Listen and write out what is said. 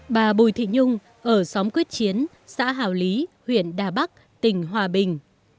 bà bùi thị nhung ở xóm quyết chiến xã hào lý huyện đà bắc tỉnh hòa bình